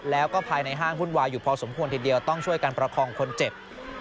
แล้วก็ภายในห้างวุ่นวายอยู่พอสมควรทีเดียวต้องช่วยกันประคองคนเจ็บ